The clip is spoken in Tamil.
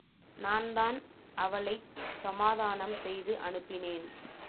நான்தான் அவளைச் சமாதானம் செய்து அனுப்பினேன்.